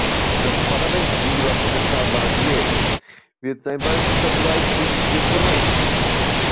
Das Parlament, lieber Kommissar Barnier, wird seinen Beitrag dazu leisten, diese Ziele zu erreichen.